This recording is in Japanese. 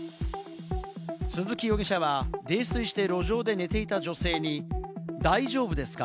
鈴木容疑者は泥酔して路上で寝ていた女性に大丈夫ですか？